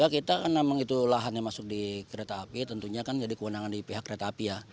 kita kan memang itu lahannya masuk di kereta api tentunya kan jadi kewenangan di pihak kereta api ya